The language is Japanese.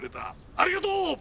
ありがとう！